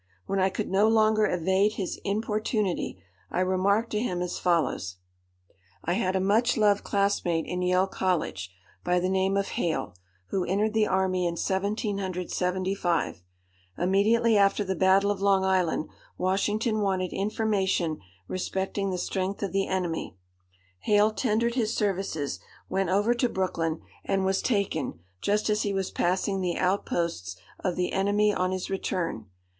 When I could no longer evade his importunity, I remarked to him as follows:—'I had a much loved classmate in Yale College, by the name of Hale, who entered the army in 1775. Immediately after the battle of Long Island, Washington wanted information respecting the strength of the enemy. Hale tendered his services, went over to Brooklyn, and was taken, just as he was passing the outposts of the enemy on his return.